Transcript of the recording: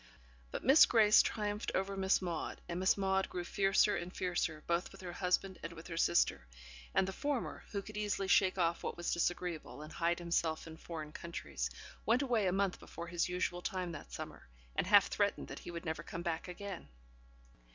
But Miss Grace triumphed over Miss Maude, and Miss Maude grew fiercer and fiercer, both with her husband and with her sister; and the former who could easily shake off what was disagreeable, and hide himself in foreign countries went away a month before his usual time that summer, and half threatened that he would never come back again.